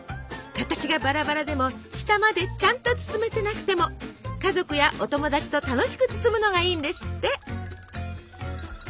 形がバラバラでも下までちゃんと包めてなくても家族やお友達と楽しく包むのがいいんですって。